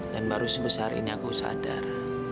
dan baru sebesar ini aku sadar